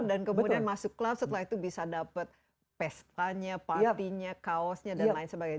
dan kemudian masuk klub setelah itu bisa dapat pestanya partinya kaosnya dan lain sebagainya